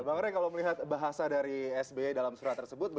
bang ray kalau melihat bahasa dari sbe dalam surat tersebut